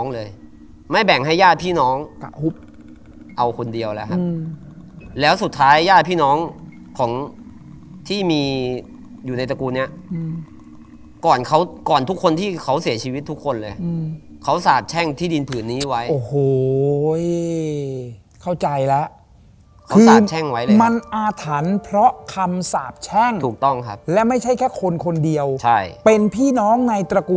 เลยไม่แบ่งให้ญาติพี่น้องกับฮุบเอาคนเดียวแล้วครับแล้วสุดท้ายญาติพี่น้องของที่มีอยู่ในตระกูลนี้ก่อนเขาก่อนทุกคนที่เขาเสียชีวิตทุกคนเลยเขาสาบแช่งที่ดินผืนนี้ไว้โอ้โหเข้าใจแล้วเขาสาบแช่งไว้เลยมันอาถรรพ์เพราะคำสาบแช่งถูกต้องครับและไม่ใช่แค่คนคนเดียวใช่เป็นพี่น้องในตระกู